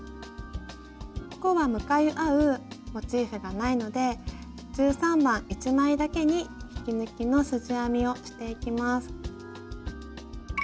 ここは向かい合うモチーフがないので１３番１枚だけに引き抜きのすじ編みをしていきます。